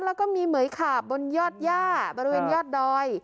แล้วก็มีเหมือยขาบบนยอดย่าบริเวณยอดดอย